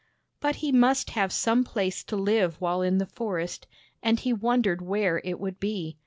But he must have some place to live while in the forest, and he wondered where it would be.